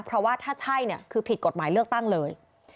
เพราะว่าถ้าใช่เนี่ยคือผิดกฎหมายเลือกตั้งเลย